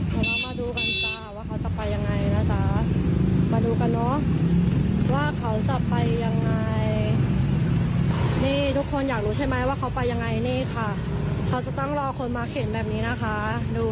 เผาเอกนิดเดียวก็เขียนแบบนี้นะคะ